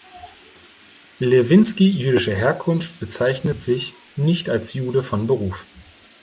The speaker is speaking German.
Lewinsky, jüdischer Herkunft, bezeichnet sich „nicht als Jude von Beruf“.